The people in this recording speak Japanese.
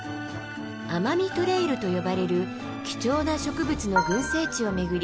奄美トレイルと呼ばれる貴重な植物の群生地を巡り